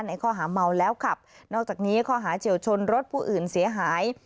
ในข้อหาเมาแล้วขับนอกจากนี้ข้อหาเฉียวชนรถผู้อื่นเสียหาย